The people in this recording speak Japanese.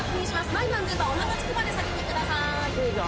前の安全バーおなかつくまで下げてください